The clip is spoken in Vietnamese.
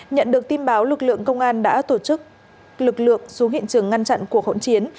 nhận được tin báo lực lượng công an đã tổ chức lực lượng xuống hiện trường ngăn chặn cuộc hỗn chiến